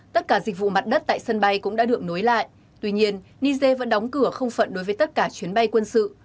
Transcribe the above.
tất cả dịch vụ mặt đất tại sân bay cũng đã được nối lại tuy nhiên niger vẫn đóng cửa không phận đối với tất cả chuyến bay quân sự